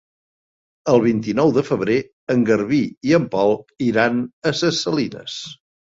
El vint-i-nou de febrer en Garbí i en Pol iran a Ses Salines.